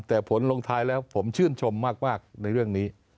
แต่ผลลงท้ายแล้วผมชื่นชมมากในเรื่องนี้